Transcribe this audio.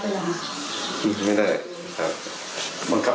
พี่น้องของผู้เสียหายแล้วเสร็จแล้วมีการของผู้น้องเข้าไป